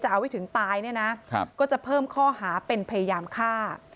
เอาให้ถึงตายเนี่ยนะก็จะเพิ่มข้อหาเป็นพยายามฆ่า